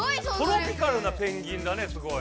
トロピカルなペンギンだねすごい。